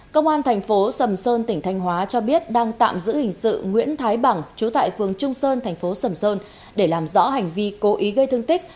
công an thành phố sầm sơn tỉnh thanh hóa cho biết đang tạm giữ hình sự nguyễn thái bằng chú tại phường trung sơn thành phố sầm sơn để làm rõ hành vi cố ý gây thương tích